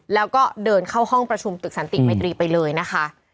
แล้วก็เดินเข้าห้องประชุมตึกสันติมัยตรีไปเลยนะคะ